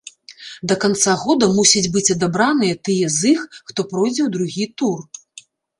Да канца года мусяць быць адабраныя тыя з іх, хто пройдзе ў другі тур.